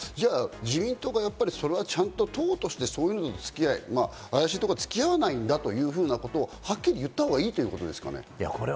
自民党が党としてそういう付き合い、怪しいところとつき合わないんだというふうなことをはっきり言ったほうがいいということですかね。